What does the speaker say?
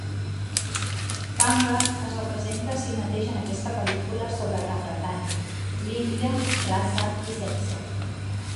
Kanga es representa a si mateix en aquesta pel·lícula sobre Gran Bretanya, l'Índia, raça i sexe.